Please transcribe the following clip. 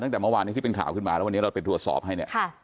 ตั้งแต่เมื่อวานนี้ที่เป็นข่าวขึ้นมาแล้ววันนี้เราไปตรวจสอบให้เนี่ย